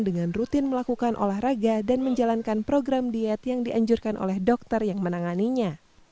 dengan rutin melakukan olahraga dan menjalankan program diet yang dianjurkan oleh dokter yang menanganinya